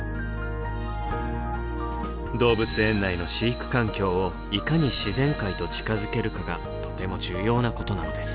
動物園内の飼育環境をいかに自然界と近づけるかがとても重要なことなのです。